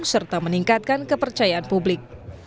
serta meningkatkan kepercayaan publik